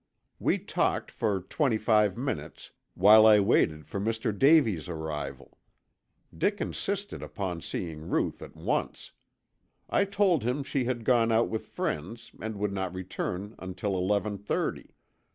We talked for twenty five minutes, while I waited for Mr. Davies' arrival. Dick insisted upon seeing Ruth at once. I told him she had gone out with friends and would not return until eleven thirty.